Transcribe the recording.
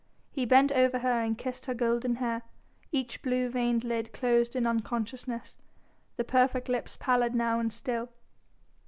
He bent over her and kissed her golden hair, each blue veined lid closed in unconsciousness, the perfect lips pallid now and still.